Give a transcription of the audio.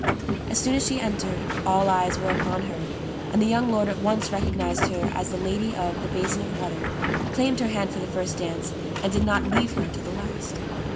As soon as she entered all eyes were upon her ; and the young lord at once recognized her as the lady of the "Basin of Water," claimed her hand for the first dance, and did not leave her till the last.